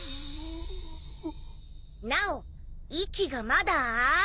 なお息がまだある！